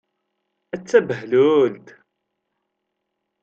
A tabehlult!